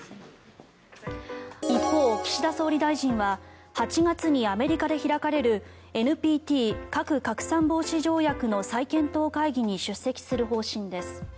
一方、岸田総理大臣は８月にアメリカで開かれるＮＰＴ・核拡散防止条約の再検討会議に出席する方針です。